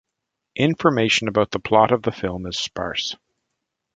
Information about the plot of the film is sparse.